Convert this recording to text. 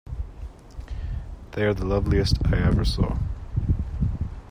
They are the loveliest I ever saw.